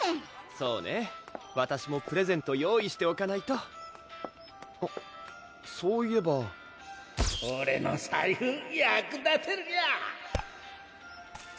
そうねわたしもプレゼント用意しておかないとそういえばオレの財布役立てるにゃ